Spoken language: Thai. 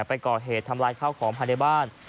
ไปก่อเหตุทำลายข้าวของภายในบ้าน